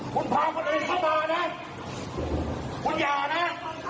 คุณพาคนอื่นเข้ามานะคุณอย่านะอย่าอย่าทำอย่าทำ